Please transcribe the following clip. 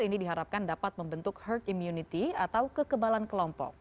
ini diharapkan dapat membentuk herd immunity atau kekebalan kelompok